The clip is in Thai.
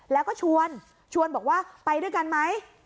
แล้วก็ชวนชวนบอกว่าไปด้วยกันไหม